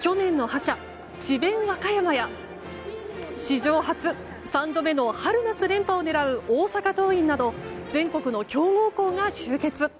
去年の覇者、智弁和歌山や史上初、３度目の春夏連覇を狙う大阪桐蔭など全国の強豪校が集結。